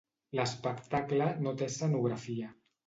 L'espectacle no té escenografia.